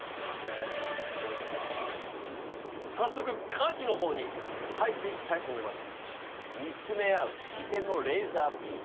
さっそく歌詞の方に入っていきたいと思います。